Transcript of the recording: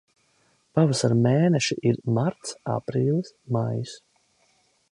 Pavasara mēneši ir marts, aprīlis, maijs.